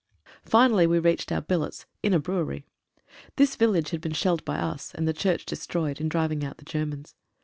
Finally we reached our billets, in a brewery. This village had been shelled by us, and the church destroyed, in driving out the Germans.